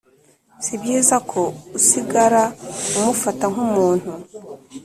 si byiza ko usigara umufata nk’umuntu